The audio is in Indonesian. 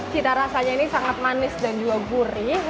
cita rasanya ini sangat manis dan juga gurih